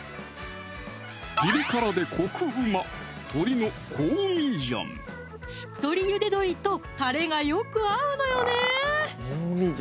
ピリ辛でコクうましっとりゆで鶏とたれがよく合うのよね！